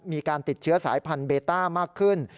มีการติดเชื้อสายพันธุเบต้ามากขึ้น